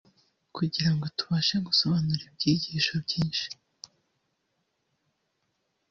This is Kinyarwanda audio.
kugirango tubashe gusobanura ibyigisho byinshi